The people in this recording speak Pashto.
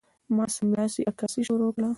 ما سملاسي عکاسي شروع کړه.